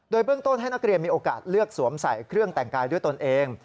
โดยเบื้องต้นให้นักเรียนมีโอกาสเลือกสวมใส่เครื่องแต่งกายด้วยตนเอง